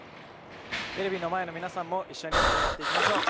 テレビの前の皆さんも一緒に盛り上がっていきましょう。